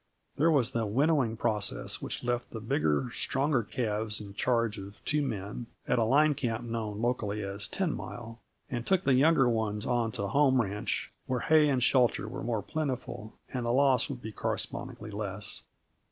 There was the winnowing process which left the bigger, stronger calves in charge of two men, at a line camp known locally as Ten Mile, and took the younger ones on to the home ranch, where hay and shelter were more plentiful and the loss would be correspondingly less.